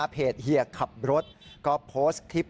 เพจเหยื่อขับรถก็โพสต์คลิป